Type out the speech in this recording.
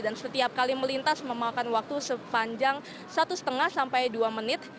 dan setiap kali melintas memakan waktu sepanjang satu lima sampai dua menit